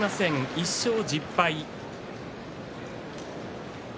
１勝１０敗です。